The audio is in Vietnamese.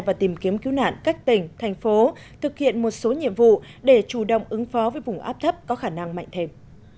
và tìm kiếm cứu nạn các tỉnh thành phố thực hiện một số nhiệm vụ để chủ động ứng phó với vùng áp thấp có khả năng mạnh thêm